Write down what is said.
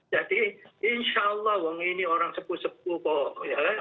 jadi insya allah orang ini sepuh sepuh kok